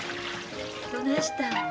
どないしたん？